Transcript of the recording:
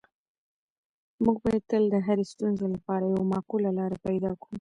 موږ باید تل د هرې ستونزې لپاره یوه معقوله لاره پیدا کړو.